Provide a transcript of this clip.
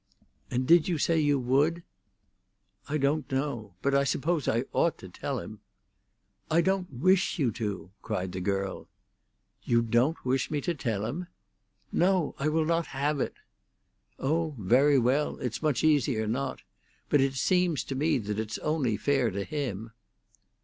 "And did you say you would?" "I don't know. But I suppose I ought to tell him." "I don't wish you to!" cried the girl. "You don't wish me to tell him?" "No; I will not have it!" "Oh, very well; it's much easier not. But it seems to me that it's only fair to him."